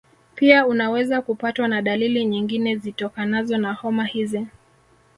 pia unaweza kupatwa na dalili nyingine zitokanazo na homa hizi